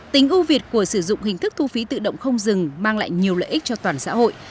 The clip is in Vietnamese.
tính ưu việt của sử dụng hình thức thu phí tự động không dừng mang lại nhiều lợi ích cho toàn xã hội